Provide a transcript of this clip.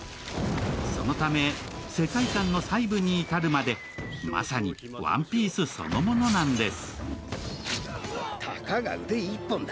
そのため世界観の細部に至るまでまさに「ＯＮＥＰＩＥＣＥ」そのものなんです。